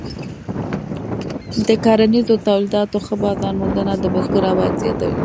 د کرنیزو تولیداتو ښه بازار موندنه د بزګر عواید زیاتوي.